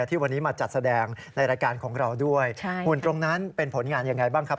ที่วันนี้มาจัดแสดงในรายการของเราด้วยหุ่นตรงนั้นเป็นผลงานยังไงบ้างครับ